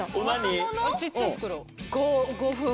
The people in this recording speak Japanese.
小っちゃい袋。